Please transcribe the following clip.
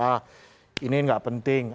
ah ini gak penting